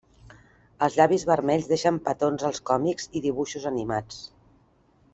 Els llavis vermells deixen petons als còmics i dibuixos animats.